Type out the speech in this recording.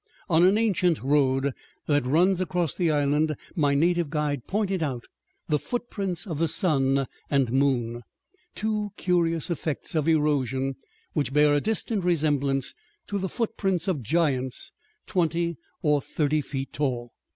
On an ancient road that runs across the island my native guide pointed out the "footprints of the sun and moon" two curious effects of erosion which bear a distant resemblance to the footprints of giants twenty or thirty feet tall.